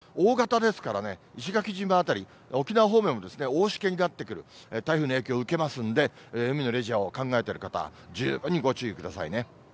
このあと大型ですからね、石垣島辺り、沖縄方面も大しけになってくる、台風の影響を受けますんで、海のレジャーを考えている方、十分にご注意くださいね。